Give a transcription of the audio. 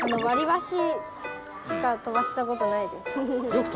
わりばししか飛ばしたことないです。